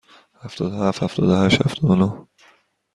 هفتاد و هفت، هفتاد و هشت، هفتاد و نه.